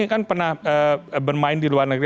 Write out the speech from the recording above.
apakah ada keinginan untuk bermain di luar negeri